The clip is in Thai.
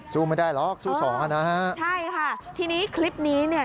สู้ไม่ได้หรอกสู้สองอ่ะนะฮะใช่ค่ะทีนี้คลิปนี้เนี่ย